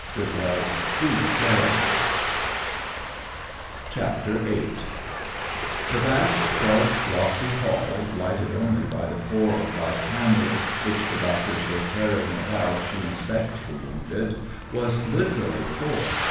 It was too terrible. SEVASTOPOL IN MAY. 7S VIII. The vast, dark, lofty hall, lighted only by the four or five candles, which the doctors were carrying about to inspect the wounded, was lit erally full.